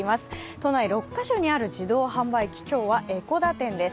都内６か所にある自動販売機、今日は江古田店です。